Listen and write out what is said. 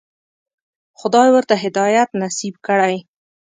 خدای ورته هدایت نصیب کړی.